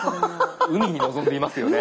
海に臨んでいますよね。